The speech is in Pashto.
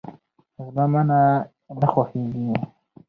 زما منی نه خوښيږي.